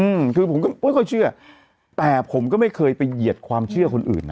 อืมคือผมก็ไม่ค่อยเชื่อแต่ผมก็ไม่เคยไปเหยียดความเชื่อคนอื่นนะ